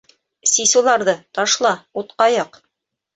Сис уларҙы, ташла, утҡа яҡ...